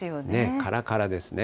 からからですね。